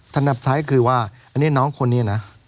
นับซ้ายคือว่าอันนี้น้องคนนี้นะ